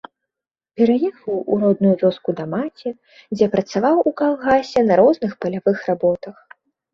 Пераехаў у родную вёску да маці, дзе працаваў у калгасе на розных палявых работах.